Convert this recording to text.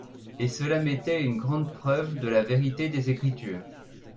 Et cela m’était une grande preuve de la vérité des Écritures.